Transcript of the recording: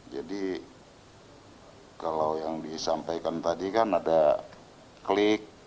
jadi kalau yang disampaikan tadi kan ada klik